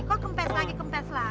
kok kempes lagi kempes lah